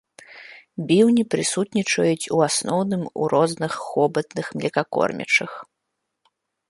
Біўні прысутнічаюць у асноўным у розных хобатных млекакормячых.